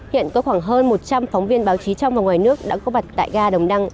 hiện có khoảng hơn một trăm linh phóng viên báo chí trong và ngoài nước đã có mặt tại ga đồng đăng